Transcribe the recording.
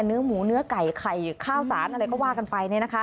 เนื้อหมูเนื้อไก่ไข่ข้าวสารอะไรก็ว่ากันไป